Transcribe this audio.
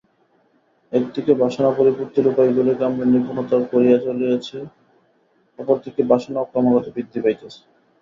একদিকে বাসনা পরিপূর্তির উপায়গুলিকে আমরা নিপুণতর করিয়া চলিয়াছি, অপরদিকে বাসনাও ক্রমাগত বৃদ্ধি পাইতেছে।